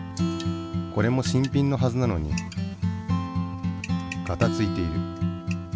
これも新品のはずなのにガタついている。